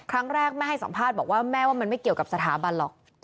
ครั้งแรกแม่ให้สัมภาษณ์บอกว่าแม่ว่ามันไม่เกี่ยวกับสถาบันหรอก